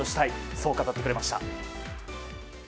そう語ってくれました。